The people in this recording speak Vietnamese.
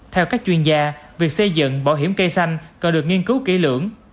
theo các chuyên gia việc xây dựng bảo hiểm cây xanh cần được nghiên cứu kỹ lưỡng